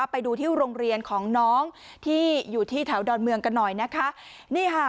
ไปดูที่โรงเรียนของน้องที่อยู่ที่แถวดอนเมืองกันหน่อยนะคะนี่ค่ะ